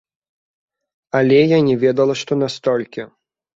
Але я не ведала, што настолькі.